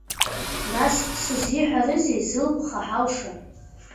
Нас сызиҳәарызеи, злыԥха ҳауша?